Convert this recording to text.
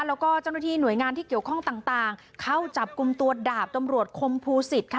แล้วก็เจ้าหน้าที่หน่วยงานที่เกี่ยวข้องต่างเข้าจับกลุ่มตัวดาบตำรวจคมภูสิตค่ะ